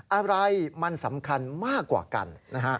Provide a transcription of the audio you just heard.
อะไรมันสำคัญมากกว่ากันนะฮะ